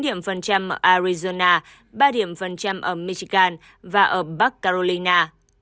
ba điểm phần trăm ở arizona ba điểm phần trăm ở michigan và ở bắc carolina